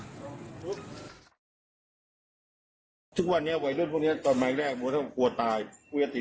ทุกวันไว้เลือดพวกนี้ตอนแมคแรกบอกว่าเกลียดตาย